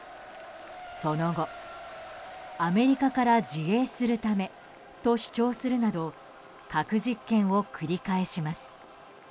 その後、アメリカから自衛するためと主張するなど核実験を繰り返します。